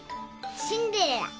シンデレラ。